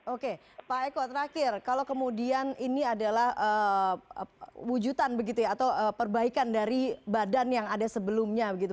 oke pak eko terakhir kalau kemudian ini adalah wujudan begitu ya atau perbaikan dari badan yang ada sebelumnya begitu